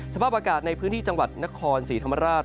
สภาพอากาศในพื้นที่จังหวัดนครศรีธรรมราช